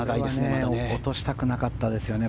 落としたくなかったですよね